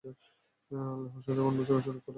আল্লাহর সাথে কোন বস্তুকে শরীক করা আমাদের কাজ নয়।